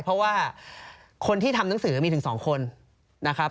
เพราะว่าคนที่ทำหนังสือมีถึง๒คนนะครับ